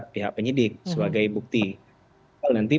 pihak penyidik sebagai bukti nanti